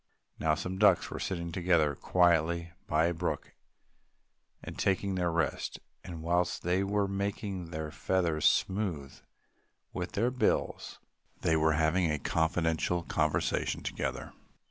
Now some ducks were sitting together quietly by a brook and taking their rest; and, whilst they were making their feathers smooth with their bills, they were having a confidential conversation together.